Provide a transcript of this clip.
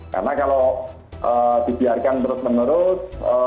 karena kalau dibiarkan terus menerus